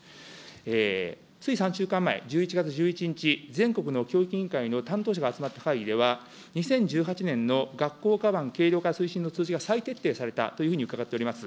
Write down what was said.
つい３週間前、１１月１１日、全国の教育委員会の担当者が集まった会議では、２０１８年の学校かばん軽量化推進の通知が再徹底されたと伺っております。